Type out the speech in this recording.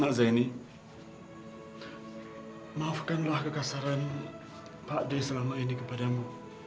nek zaini maafkanlah kekasaran pak day selama ini kepadamu